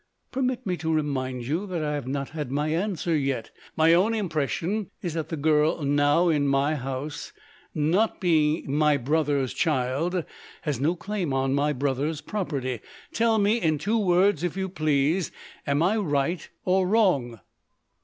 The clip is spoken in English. Permit me to remind you that I have not had my answer yet. My own impression is that the girl now in my house, not being my brother's child, has no claim on my brother's property? Tell me in two words, if you please am I right or wrong?"